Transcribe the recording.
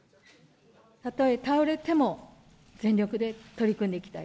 たとえ倒れても、全力で取り組んでいきたい。